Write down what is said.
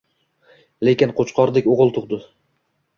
Lekin qo`chqordek o`g`il tug`di